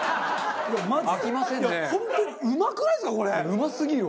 うますぎるわ。